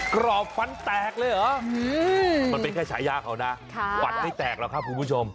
กรอบฟันแตกเลยเหรอมันเป็นแค่ฉายาเขานะฟันไม่แตกหรอกครับคุณผู้ชม